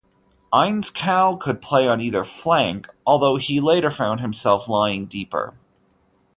Ainscow could play on either flank, although he later found himself lying deeper.